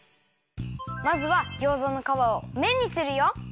まずはギョーザのかわをめんにするよ！